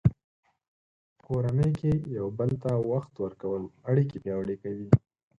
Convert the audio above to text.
په کورنۍ کې یو بل ته وخت ورکول اړیکې پیاوړې کوي.